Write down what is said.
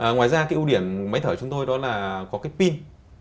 ngoài ra cái ưu điểm máy thở chúng tôi đó là có cái pin